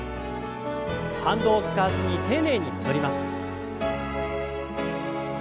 反動を使わずに丁寧に戻ります。